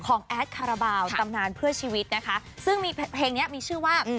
แอดคาราบาลตำนานเพื่อชีวิตนะคะซึ่งมีเพลงเนี้ยมีชื่อว่า